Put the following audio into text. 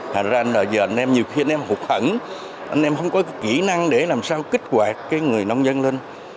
thật ra là giờ anh em nhiều khi anh em hụt hẳn anh em không có kỹ năng để làm sao kích hoạt cái người nông dân lên